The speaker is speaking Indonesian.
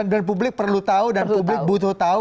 publik perlu tahu dan publik butuh tahu